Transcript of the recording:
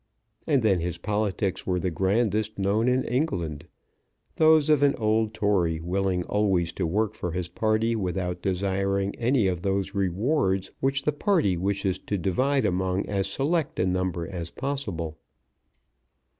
And then his politics were the grandest known in England, those of an old Tory willing always to work for his party without desiring any of those rewards which the "party" wishes to divide among as select a number as possible.